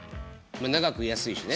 長く居やすいしね。